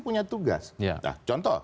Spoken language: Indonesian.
punya tugas nah contoh